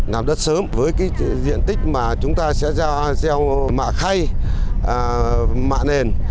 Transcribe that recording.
làm đất sớm với cái diện tích mà chúng ta sẽ gieo mạ khay mạ nền